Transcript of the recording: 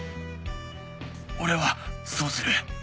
「俺はそうする。